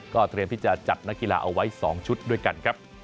ก็เตรียมที่จะจัดงานกีฬาเอาให้๒ชุดด้วยกัน